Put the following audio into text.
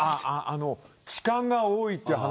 痴漢が多いという話。